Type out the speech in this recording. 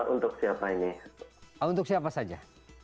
untuk siapa ini untuk siapa saja